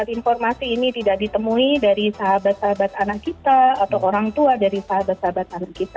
informasi ini tidak ditemui dari sahabat sahabat anak kita atau orang tua dari sahabat sahabat anak kita